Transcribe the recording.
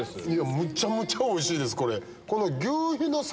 むちゃむちゃおいしいですこれ。